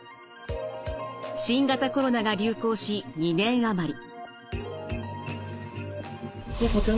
新型コロナが流行し２年余り。